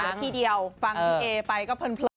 ทีเดียวฟังพี่เอไปก็เพลิน